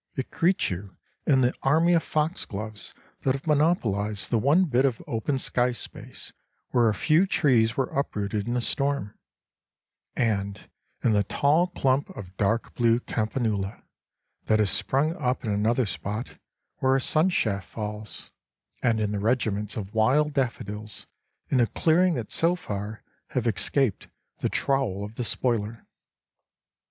It greets you in the army of foxgloves that have monopolized the one bit of open sky space where a few trees were uprooted in a storm; and in the tall clump of dark blue campanula that has sprung up in another spot where a sun shaft falls; and in the regiments of wild daffodils in a clearing that so far have escaped the trowel of the spoiler.